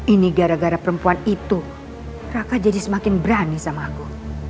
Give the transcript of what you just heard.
ini gara gara perempuan itu raka jadi semakin berani sama aku